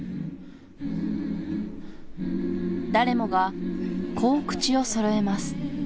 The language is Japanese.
誰もがこう口をそろえます